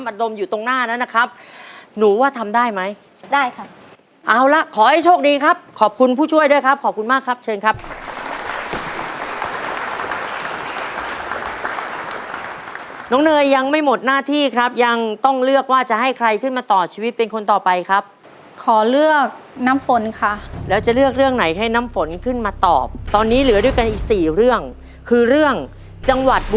เออดมอยู่ตรงหน้านั้นนะครับหนูว่าทำได้ไหมได้ครับเอาล่ะขอให้โชคดีครับขอบคุณผู้ช่วยด้วยครับขอบคุณมากครับเชิญครับ